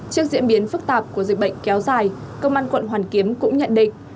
trước diễn biến phức tạp của dịch bệnh kéo dài công an quận hoàn kiếm cũng nhận định